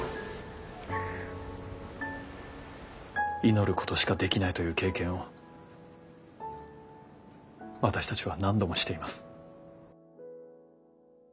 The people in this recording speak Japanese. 祈ることしかできないという経験を私たちは何度もしています。